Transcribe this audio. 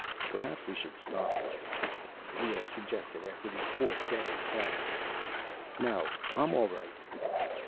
"Perhaps we should stop for a while," Leoh suggested after the fourth day of tests. "No, I'm all right."